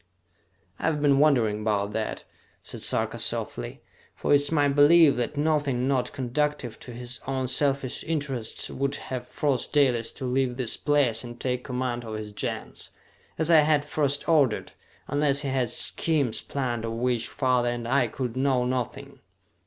"I have been wondering about that," said Sarka softly, "for it is my belief that nothing not conducive to his own selfish interests would have forced Dalis to leave this place and take command of his Gens, as I had first ordered, unless he had schemes planned of which father and I could know nothing.